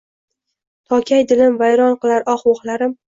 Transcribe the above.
Tokay dilim vayron qilar oh-vohlarim